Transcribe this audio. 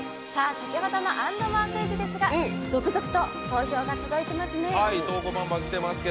先ほどのａｎｄｍｏｒｅクイズですが続々と投票が届いてますね。